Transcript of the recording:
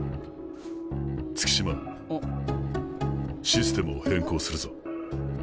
システムを変更するぞ。